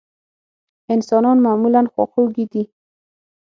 انسانان معمولا خواخوږي دي.